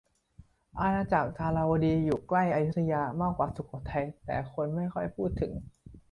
อาณาจักรทวาราวดี อยู่ใกล้อยุธยามากกว่าสุโขทัย แต่คนไม่ค่อยพูดถึง